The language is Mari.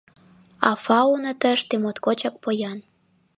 А фауно тыште моткочак поян.